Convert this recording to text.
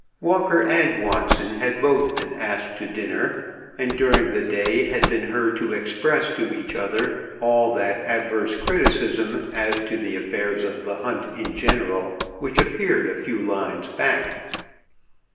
Walker and Watson had both been asked to dinner, and during the day had been heard to express to each other all that adverse criticism as to the affairs of the hunt in general which appeared a few lines back.